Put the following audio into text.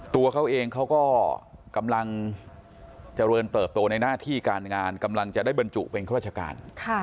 ตัวเขาเองเขาก็กำลังเจริญเติบโตในหน้าที่การงานกำลังจะได้บรรจุเป็นข้าราชการ